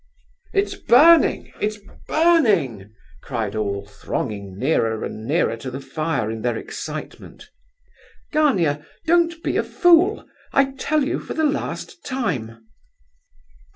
"It's burning, it's burning!" cried all, thronging nearer and nearer to the fire in their excitement. "Gania, don't be a fool! I tell you for the last time."